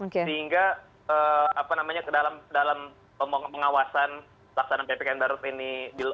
sehingga apa namanya ke dalam pengawasan laksana ppkm barut ini